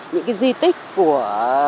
những cái di tích của